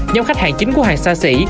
nhóm khách hàng chính của hàng xa xỉ